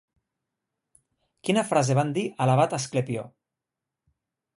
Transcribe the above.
Quina frase van dir a l'abat Asclepió?